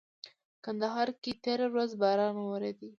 کندهار کي تيره ورځ باران ووريدلي.